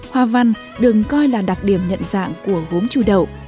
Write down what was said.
hoa văn đừng coi là đặc điểm nhận dạng của gốm chu đậu